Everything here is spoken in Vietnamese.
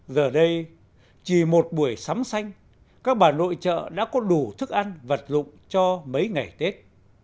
giờ đây chỉ một buổi sắm xanh các bà nội trợ đã có đủ thức ăn vật dụng cho mấy ngày tết